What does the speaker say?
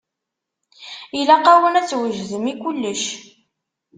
Ilaq-awen ad twejdem i kullec.